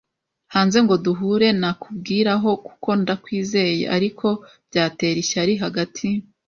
hanze ngo duhure. Nakubwira aho, kuko ndakwizeye, ariko byatera ishyari hagati